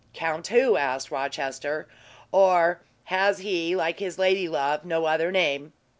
"Count who?" asked Rochester. "Or has he, like his ladylove, no other name?"